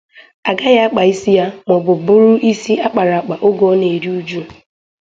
Ọ gaghị akpà isi ya maọbụ buru isi a kpàrà akpà oge ọ na-eru uju